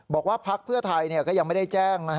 พักเพื่อไทยก็ยังไม่ได้แจ้ง